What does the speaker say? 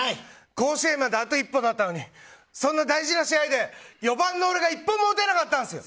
甲子園まであと一歩だったのにそんな大事な試合で４番の俺が１本も打てなかったんすよ。